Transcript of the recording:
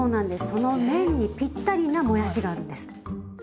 その麺にぴったりなもやしがあるんです。